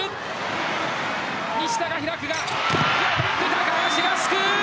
高橋が救う。